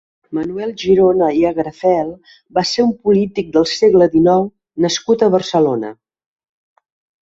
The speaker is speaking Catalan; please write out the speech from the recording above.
Manuel Girona i Agrafel va ser un polític del segle dinou nascut a Barcelona.